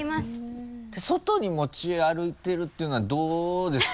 外に持ち歩いてるっていうのはどうですか？